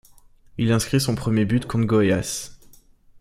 Il inscrit son premier but contre Goiás.